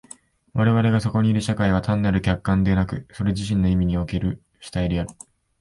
我々がそこにいる社会は単なる客観でなく、それ自身の意味における主体である。